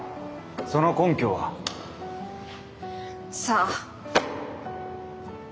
その根拠は？さあ。